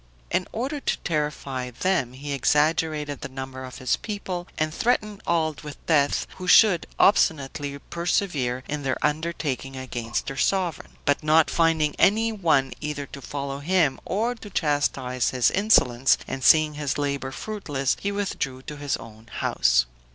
In order to terrify them, he exaggerated the number of his people and threatened all with death who should obstinately persevere in their undertaking against their sovereign. But not finding any one either to follow him, or to chastise his insolence, and seeing his labor fruitless, he withdrew to his own house.